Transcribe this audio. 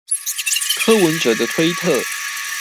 柯文哲的推特